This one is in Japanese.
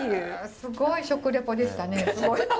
すごい食レポでしたね。